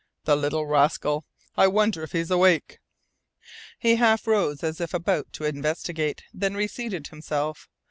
The little rascal! I wonder if he is awake?" He half rose, as if about to investigate, then reseated himself.